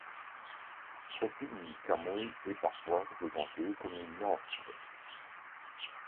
Repun Kamui est parfois représenté comme une orque.